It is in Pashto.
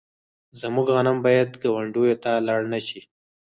زموږ غنم باید ګاونډیو ته لاړ نشي.